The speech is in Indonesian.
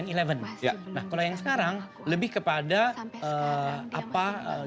nah kalau yang sekarang lebih kepada apa